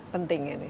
penting ya ini